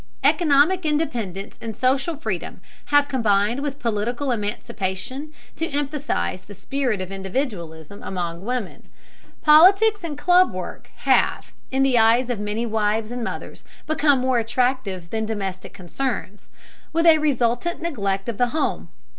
Economic independence and social freedom have combined with political emancipation to emphasize the spirit of individualism among women. Politics and club work have, in the eyes of many wives and mothers, become more attractive than domestic concerns, with a resultant neglect of the home.